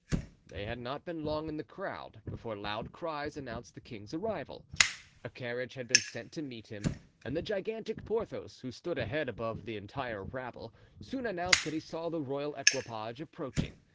They had not been long in the crowd before loud cries announced the king's arrival. A carriage had been sent to meet him, and the gigantic Porthos, who stood a head above the entire rabble, soon announced that he saw the royal equipage approaching.